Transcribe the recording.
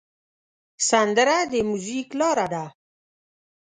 سندره د میوزیک لاره ده